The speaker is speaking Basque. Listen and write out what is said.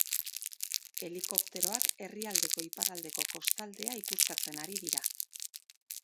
Helikopteroak herrialdeko iparraldeko kostaldea ikuskatzen ari dira.